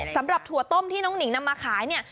ถั่วต้มที่น้องหนิงนำมาขายเนี่ย